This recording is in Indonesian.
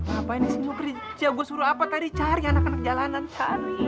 apaan sih lu kerja gua suruh apa tadi cari anak anak jalanan cari